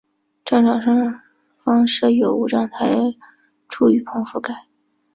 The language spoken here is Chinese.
站场上方设有无站台柱雨棚覆盖。